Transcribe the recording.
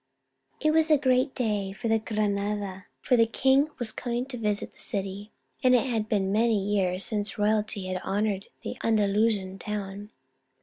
It was a great day for Granada, for the king was coming to visit the city, and it had been many years since royalty had honoured the Andalusian town.